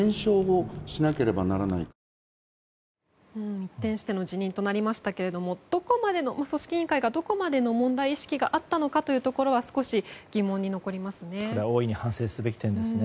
一転しての辞任となりましたが組織委員会に、どこまでの問題意識があったのかというのは少し疑問に残りますね。